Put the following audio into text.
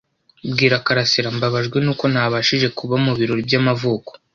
Bwira karasira Mbabajwe nuko ntabashije kuba mubirori by'amavuko.